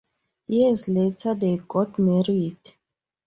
Years later, they get married.